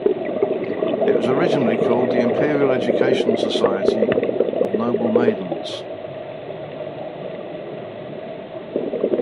It was originally called the Imperial Educational Society of Noble Maidens.